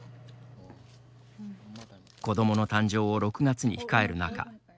子どもの誕生を６月に控える中